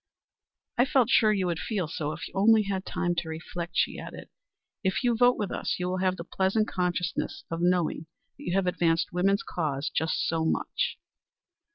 "I felt sure you would feel so if you only had time to reflect," she added. "If you vote with us, you will have the pleasant consciousness of knowing that you have advanced woman's cause just so much."